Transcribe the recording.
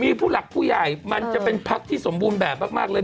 มีผู้หลักผู้ใหญ่มันจะเป็นพักที่สมบูรณ์แบบมากเลย